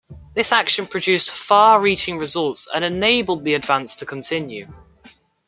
This action produced far-reaching results and enabled the advance to continue.